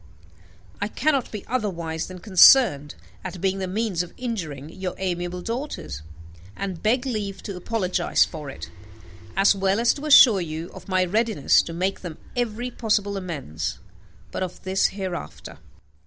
I cannot be otherwise than concerned at being the means of injuring your amiable daughters, and beg leave to apologize for it, as well as to assure you of my readiness to make them every possible amends; but of this hereafter.